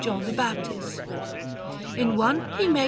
John the Baptist. In one he made S.